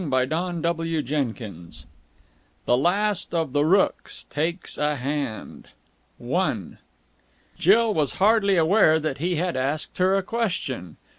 CHAPTER IV THE LAST OF THE ROOKES TAKES A HAND I Jill was hardly aware that he had asked her a question.